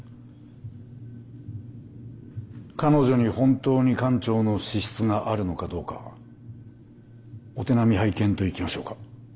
彼女に本当に艦長の資質があるのかどうかお手並み拝見といきましょうか。